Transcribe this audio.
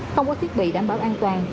không có thiết bị đảm bảo an toàn